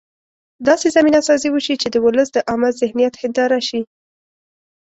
داسې زمینه سازي وشي چې د ولس د عامه ذهنیت هنداره شي.